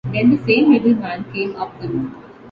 Then the same little man came up the room.